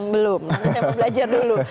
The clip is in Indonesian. belum aku mau belajar dulu